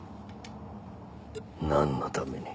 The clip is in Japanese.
何のために。